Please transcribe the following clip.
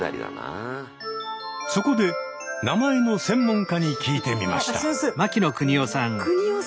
そこで名前の専門家に聞いてみました。